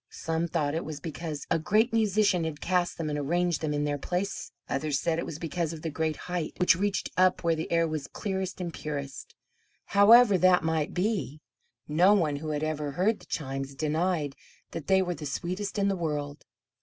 Some thought it was because a great musician had cast them and arranged them in their place; others said it was because of the great height, which reached up where the air was clearest and purest; however that might be no one who had ever heard the chimes denied that they were the sweetest in the world.